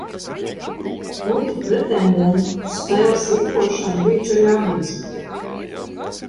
Otra pretendente uz spēles rīkošanu bija Čeļabinska.